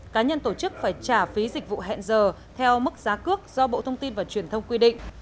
cá nhân tổ chức phải trả phí dịch vụ hẹn giờ theo mức giá cước do bộ thông tin và truyền thông quy định